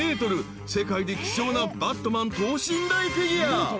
［世界で希少なバットマン等身大フィギュア］